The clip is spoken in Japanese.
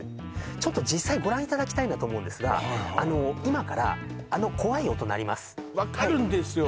ちょっと実際ご覧いただきたいと思うんですが今からあの怖い音鳴ります分かるんですよ